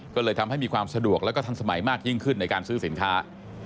ก็เลยทำให้มีความสะดวกแล้วก็ทันสมัยมากยิ่งขึ้นในการซื้อสินค้า